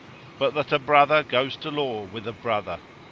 but that a brother goes to law with a brother.